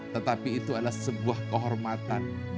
tetapi itu adalah sebuah kehormatan